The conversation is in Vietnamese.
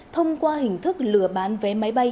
thông qua hình thức lừa bán vé máy bay